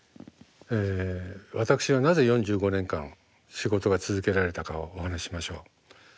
私はなぜ４５年間仕事が続けられたかをお話ししましょう。